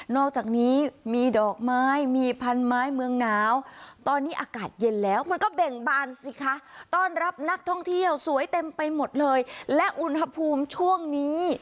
อกจากนี้มีดอกไม้มีพันไม้เมืองหนาวตอนนี้อากาศเย็นแล้วมันก็เบ่งบานสิคะต้อนรับนักท่องเที่ยวสวยเต็มไปหมดเลยและอุณหภูมิช่วงนี้